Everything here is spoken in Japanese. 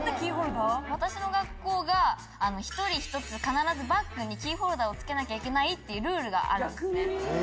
私の学校が１人１つ必ずバッグにキーホルダーを付けなきゃいけないっていうルールがあるんですね。